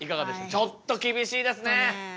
ちょっと厳しいですね。